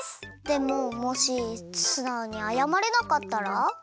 でももしすなおにあやまれなかったら？